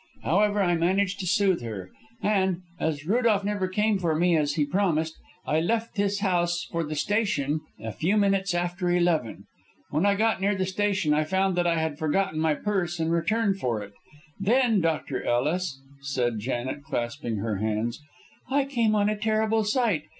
However, I managed to soothe her, and, as Rudolph never came for me as he promised, I left this house for the station a few minutes after eleven. When I got near the station I found that I had forgotten my purse and returned for it; then, Dr. Ellis," said Janet, clasping her hands, "I came on a terrible sight.